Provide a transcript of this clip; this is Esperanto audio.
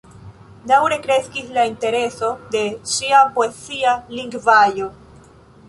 Daŭre kreskis la intereso al ŝia poezia lingvaĵo.